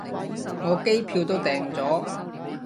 我機票都訂咗